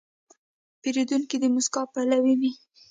پیرودونکی د موسکا پلوی وي.